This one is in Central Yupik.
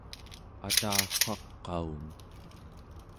atawaqaun